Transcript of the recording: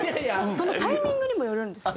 そのタイミングにもよるんですよ。